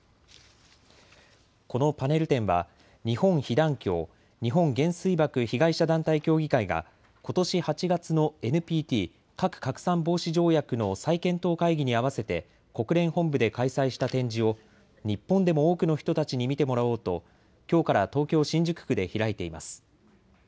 このパネル展は日本被団協・日本原水爆被害者団体協議会がことし８月のＮＰＴ・核拡散防止条約の再検討会議に合わせて国連本部で開催した展示を日本でも多くの人たちに見てもらおうときょうから東京新宿区で開いています。